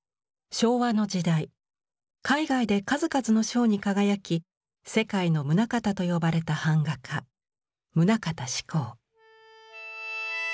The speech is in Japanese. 昭和の時代海外で数々の賞に輝き「世界のムナカタ」と呼ばれた板画家棟方志功。